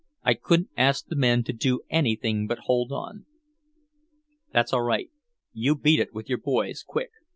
I couldn't ask the men to do anything but hold on." "That's all right. You beat it, with your boys, quick!